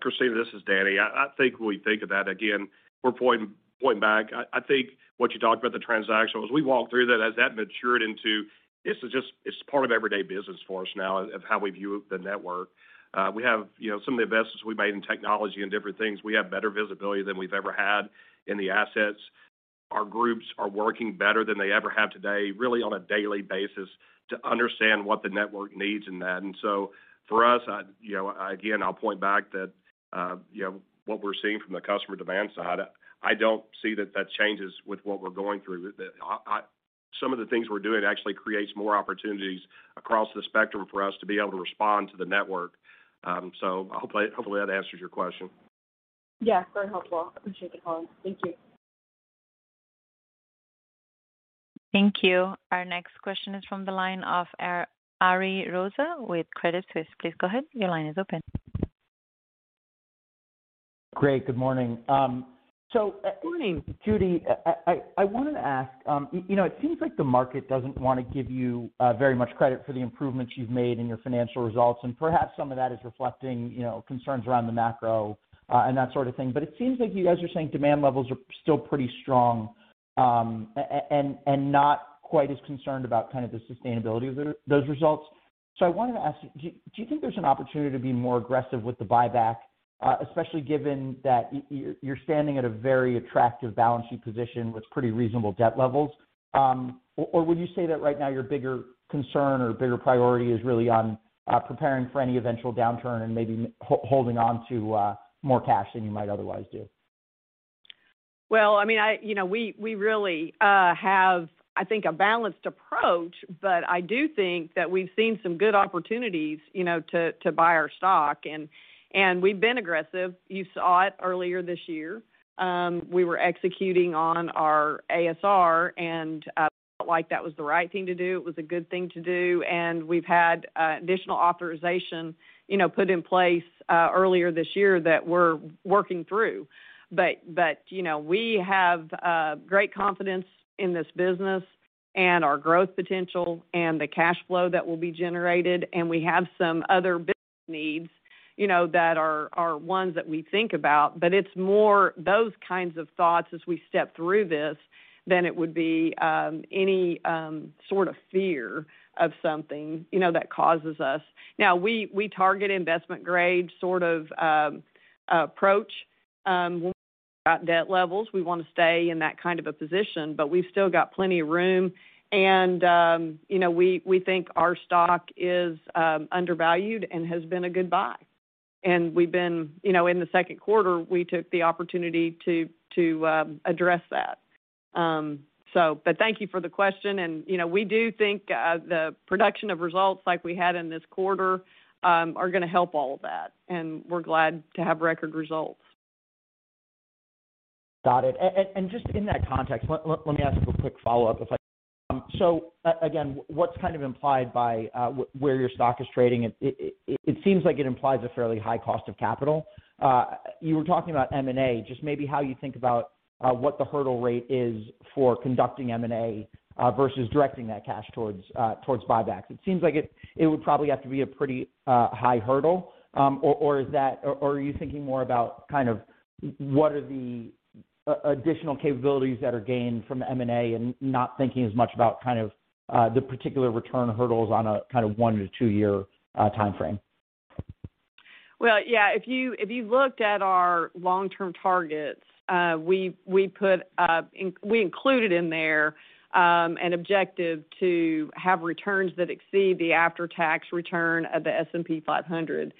Christina, this is Danny. I think when we think of that, again, we're pointing back. I think what you talked about the transactional, as we walk through that, as that matured into this, it's part of everyday business for us now of how we view the network. We have, you know, some of the investments we made in technology and different things. We have better visibility than we've ever had in the assets. Our groups are working better than they ever have today, really on a daily basis, to understand what the network needs in that. For us, you know, again, I'll point back that, you know, what we're seeing from the customer demand side, I don't see that changes with what we're going through. Some of the things we're doing actually creates more opportunities across the spectrum for us to be able to respond to the network. Hopefully that answers your question. Yeah, very helpful. Appreciate the call. Thank you. Thank you. Our next question is from the line of Ari Rosa with Credit Suisse. Please go ahead. Your line is open. Great. Good morning. Good morning. Judy, I wanted to ask, you know, it seems like the market doesn't wanna give you very much credit for the improvements you've made in your financial results, and perhaps some of that is reflecting, you know, concerns around the macro, and that sort of thing. It seems like you guys are saying demand levels are still pretty strong, and not quite as concerned about kind of the sustainability of those results. I wanted to ask you, do you think there's an opportunity to be more aggressive with the buyback, especially given that you're standing at a very attractive balance sheet position with pretty reasonable debt levels? Would you say that right now your bigger concern or bigger priority is really on preparing for any eventual downturn and maybe holding on to more cash than you might otherwise do? Well, I mean, you know, we really have, I think, a balanced approach, but I do think that we've seen some good opportunities, you know, to buy our stock and we've been aggressive. You saw it earlier this year. We were executing on our ASR and felt like that was the right thing to do. It was a good thing to do, and we've had additional authorization, you know, put in place earlier this year that we're working through. You know, we have great confidence in this business and our growth potential and the cash flow that will be generated, and we have some other business needs, you know, that are ones that we think about. It's more those kinds of thoughts as we step through this than it would be any sort of fear of something, you know, that causes us. Now we target investment-grade sort of approach when we think about debt levels. We wanna stay in that kind of a position, but we've still got plenty of room. You know, we think our stock is undervalued and has been a good buy. We've been, you know, in the second quarter, we took the opportunity to address that. But thank you for the question, and, you know, we do think the production of results like we had in this quarter are gonna help all of that, and we're glad to have record results. Got it. Just in that context, let me ask you a quick follow-up, if I could. So again, what's kind of implied by where your stock is trading, it seems like it implies a fairly high cost of capital. You were talking about M&A, just maybe how you think about what the hurdle rate is for conducting M&A versus directing that cash towards buybacks. It seems like it would probably have to be a pretty high hurdle, or is that. Or are you thinking more about kind of what are the additional capabilities that are gained from M&A and not thinking as much about kind of the particular return hurdles on a kind of one-to-two-year timeframe? Well, yeah, if you looked at our long-term targets, we included in there an objective to have returns that exceed the after-tax return of the S&P 500.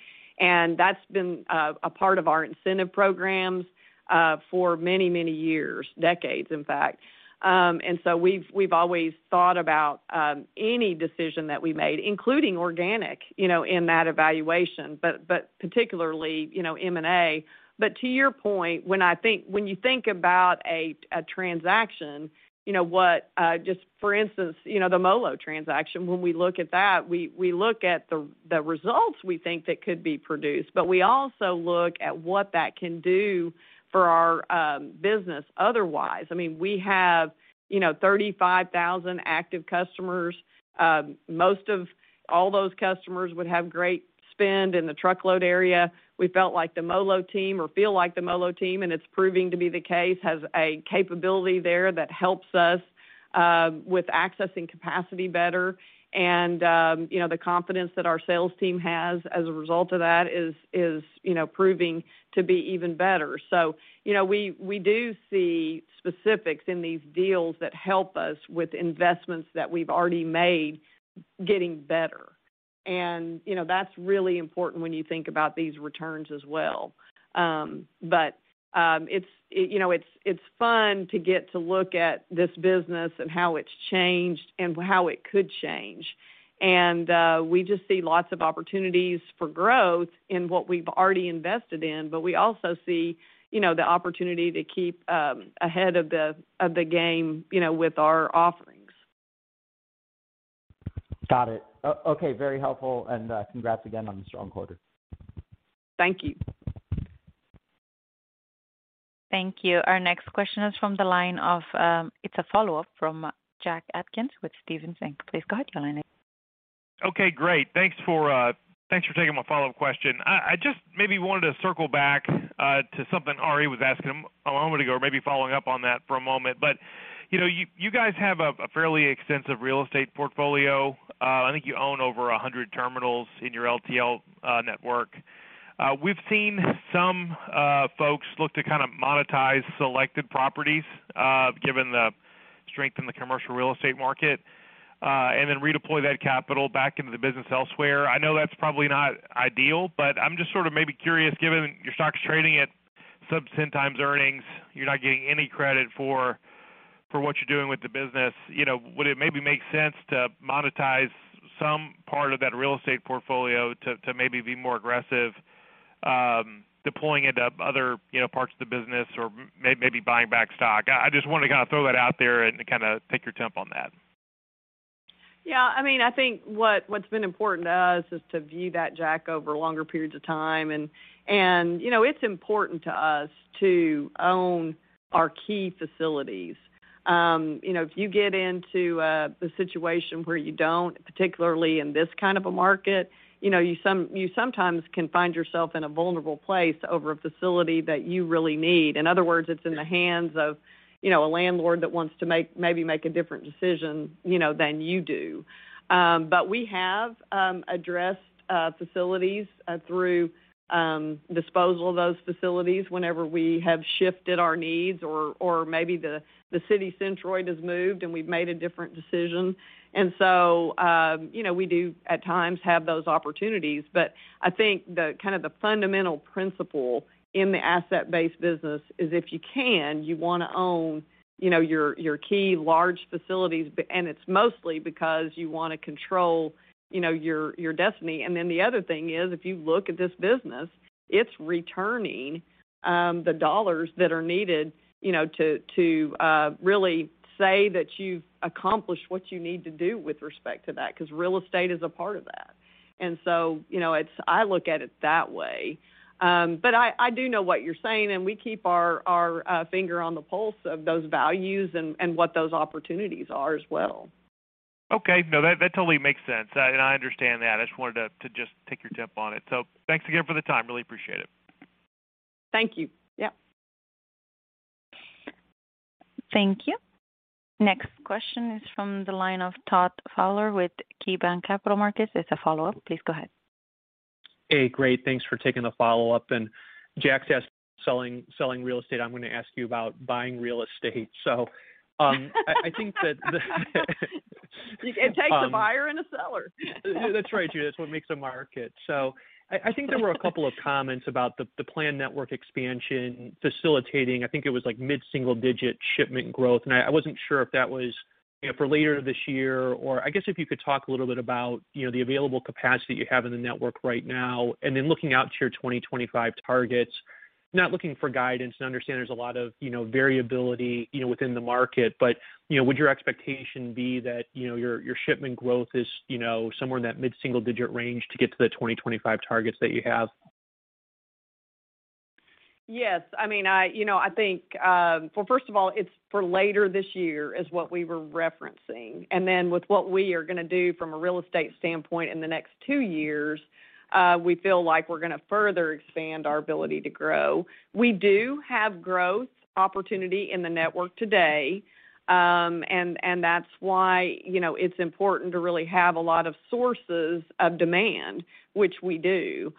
That's been a part of our incentive programs for many years, decades, in fact. We've always thought about any decision that we made, including organic, you know, in that evaluation, but particularly, you know, M&A. To your point, when you think about a transaction, you know what, just for instance, you know, the MoLo transaction, when we look at that, we look at the results we think that could be produced, but we also look at what that can do for our business otherwise. I mean, we have, you know, 35,000 active customers. Most of all those customers would have great spend in the Truckload area. We felt like the MoLo team, and it's proving to be the case, has a capability there that helps us with accessing capacity better. You know, the confidence that our sales team has as a result of that is, you know, proving to be even better. You know, we do see specifics in these deals that help us with investments that we've already made getting better. You know, that's really important when you think about these returns as well. You know, it's fun to get to look at this business and how it's changed and how it could change. We just see lots of opportunities for growth in what we've already invested in, but we also see, you know, the opportunity to keep ahead of the game, you know, with our offerings. Got it. Okay, very helpful, and congrats again on the strong quarter. Thank you. Thank you. Our next question is from the line of. It's a follow-up from Jack Atkins with Stephens Inc. Please go ahead, your line is open. Okay, great. Thanks for taking my follow-up question. I just maybe wanted to circle back to something Ari was asking a moment ago, or maybe following up on that for a moment. You know, you guys have a fairly extensive real estate portfolio. I think you own over 100 terminals in your LTL network. We've seen some folks look to kind of monetize selected properties given the strength in the commercial real estate market and then redeploy that capital back into the business elsewhere. I know that's probably not ideal, but I'm just sort of maybe curious, given your stock's trading at sub 10x earnings, you're not getting any credit for what you're doing with the business. You know, would it maybe make sense to monetize some part of that real estate portfolio to maybe be more aggressive, deploying it in other, you know, parts of the business or maybe buying back stock? I just wanted to kind of throw that out there and to kind of take your temp on that. Yeah, I mean, I think what's been important to us is to view that, Jack, over longer periods of time. You know, it's important to us to own our key facilities. You know, if you get into the situation where you don't, particularly in this kind of a market, you know, you sometimes can find yourself in a vulnerable place over a facility that you really need. In other words, it's in the hands of, you know, a landlord that wants to make a different decision, you know, than you do. We have addressed facilities through disposal of those facilities whenever we have shifted our needs or maybe the city centroid has moved, and we've made a different decision. You know, we do at times have those opportunities. I think the fundamental principle in the asset-based business is, if you can, you wanna own, you know, your key large facilities. It's mostly because you wanna control, you know, your destiny. Then the other thing is, if you look at this business, it's returning the dollars that are needed, you know, to really say that you've accomplished what you need to do with respect to that, 'cause real estate is a part of that. You know, it's. I look at it that way. I do know what you're saying, and we keep our finger on the pulse of those values and what those opportunities are as well. Okay. No, that totally makes sense. I understand that. I just wanted to just take your temp on it. Thanks again for the time. Really appreciate it. Thank you. Yep. Thank you. Next question is from the line of Todd Fowler with KeyBanc Capital Markets. It's a follow-up. Please go ahead. Hey, great. Thanks for taking the follow-up. Jack's asked selling real estate, I'm gonna ask you about buying real estate. I think that. It takes a buyer and a seller. That's right, Judy. That's what makes a market. I think there were a couple of comments about the planned network expansion facilitating, I think it was like mid-single digit shipment growth, and I wasn't sure if that was, you know, for later this year or. I guess if you could talk a little bit about, you know, the available capacity you have in the network right now and then looking out to your 2025 targets. Not looking for guidance and understand there's a lot of, you know, variability, you know, within the market. You know, would your expectation be that, you know, your shipment growth is, you know, somewhere in that mid-single digit range to get to the 2025 targets that you have? Yes. I mean, you know, I think. Well, first of all, it's for later this year is what we were referencing. Then with what we are gonna do from a real estate standpoint in the next two years, we feel like we're gonna further expand our ability to grow. We do have growth opportunity in the network today, and that's why, you know, it's important to really have a lot of sources of demand, which we do.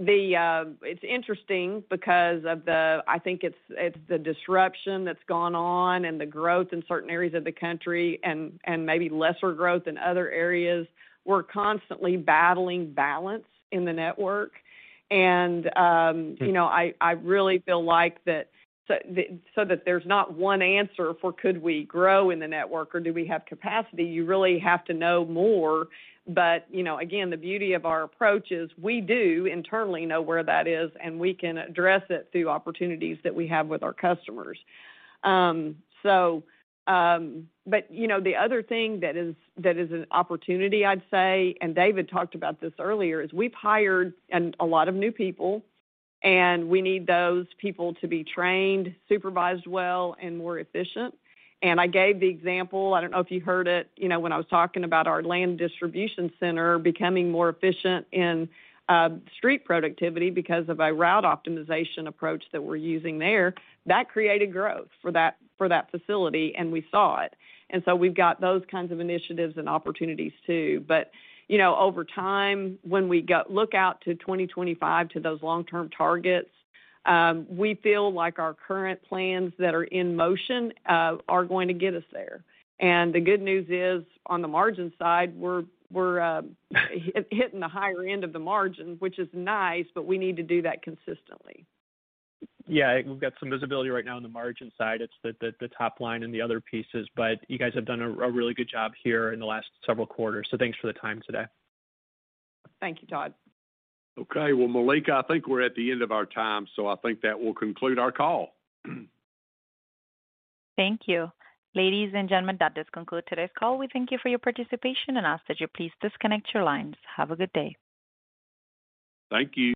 It's interesting because of the disruption that's gone on and the growth in certain areas of the country and maybe lesser growth in other areas. We're constantly battling balance in the network. You know, I really feel like that. That there's not one answer for could we grow in the network or do we have capacity? You really have to know more. You know, again, the beauty of our approach is we do internally know where that is, and we can address it through opportunities that we have with our customers. You know, the other thing that is an opportunity, I'd say, and David talked about this earlier, is we've hired a lot of new people, and we need those people to be trained, supervised well, and more efficient. I gave the example, I don't know if you heard it, you know, when I was talking about our LTL distribution center becoming more efficient in street productivity because of a route optimization approach that we're using there. That created growth for that facility, and we saw it. We've got those kinds of initiatives and opportunities too. You know, over time, when we go look out to 2025 to those long-term targets, we feel like our current plans that are in motion are going to get us there. The good news is, on the margin side, we're hitting the higher end of the margin, which is nice, but we need to do that consistently. Yeah. We've got some visibility right now on the margin side. It's the top line and the other pieces, but you guys have done a really good job here in the last several quarters, so thanks for the time today. Thank you, Todd. Okay. Well, Malika, I think we're at the end of our time, so I think that will conclude our call. Thank you. Ladies and gentlemen, that does conclude today's call. We thank you for your participation and ask that you please disconnect your lines. Have a good day. Thank you.